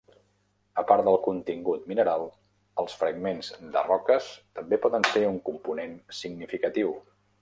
A part del contingut mineral, els fragments de roques també poden ser un component significatiu.